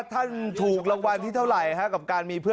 ท่านถูกรางวัลที่เท่าไหร่ครับ